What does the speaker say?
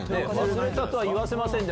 「忘れたとは言わせません！」